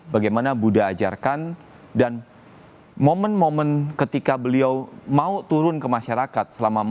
bagaimana buddhajarkan dan momen momen ketika beliau mau turun ke masyarakat